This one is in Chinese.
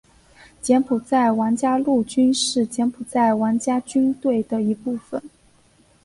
柬埔寨王家陆军是柬埔寨王家军队的一部分。